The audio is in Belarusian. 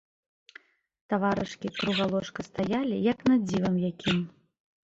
Таварышкі круга ложка сталі, як над дзівам якім.